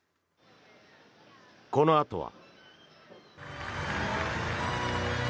このあとは。